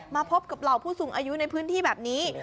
พบกับเหล่าผู้สูงอายุในพื้นที่แบบนี้